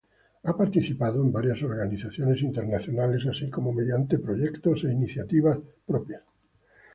Ha participado en varias organizaciones internacionales así como mediante proyectos e iniciativas propias.